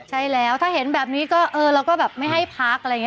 ใช่แล้วถ้าเห็นแบบนี้ก็เออเราก็แบบไม่ให้พักอะไรอย่างนี้